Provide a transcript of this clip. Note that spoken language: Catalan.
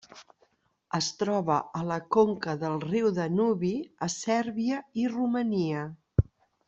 Es troba a la conca del riu Danubi a Sèrbia i Romania.